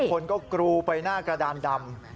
คนก็กรูไปหน้ากระดานดำ